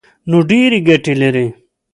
نو ډېرې ګټې لري.